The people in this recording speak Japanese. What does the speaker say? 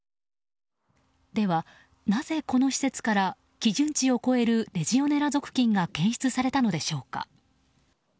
では、なぜこの施設から基準値を超えるレジオネラ属菌が検出されたのでしょうか。